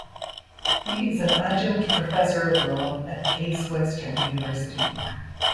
He is an adjunct professor of law at Case Western University.